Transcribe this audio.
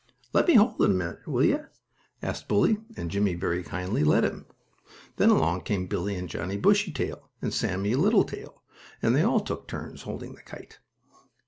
"Let me hold it a minute, will you?" asked Bully, and Jimmie very kindly let him. Then along came Billie and Johnnie Bushytail, and Sammie Littletail, and they all took turns holding the kite.